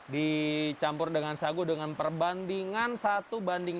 dicampur dengan sagu dengan perbandingan satu banding tiga